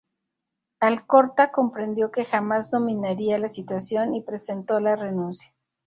Alcorta comprendió que jamás dominaría la situación y presentó la renuncia.